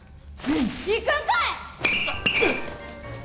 行くんかい！